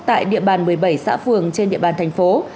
tại địa bàn một mươi bảy xã phường trên địa bàn thành phố